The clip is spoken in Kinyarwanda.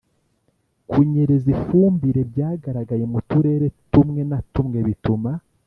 Kunyereza ifumbire byagaragaye mu Turere tumwe na tumwe bituma